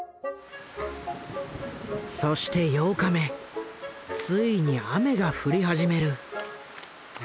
そして８日目ついに雨が降り始める。